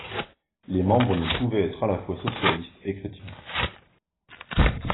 Les membres ne pouvaient être à la fois socialistes et chrétiens.